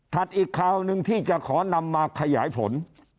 อีกคราวหนึ่งที่จะขอนำมาขยายผล